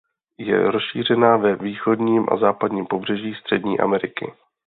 Je rozšířena na východním a západním pobřeží Střední Ameriky.